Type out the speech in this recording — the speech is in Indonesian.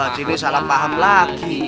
pak haji ini salah paham lagi